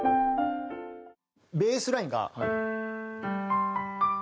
ベースラインが。